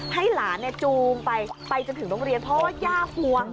ให้หลานจูงไปไปจนถึงโรงเรียนเพราะว่าย่าห่วง